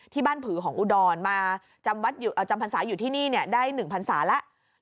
ผือของอุดรมาจำพรรษาอยู่ที่นี่ได้๑พันศาแล้ว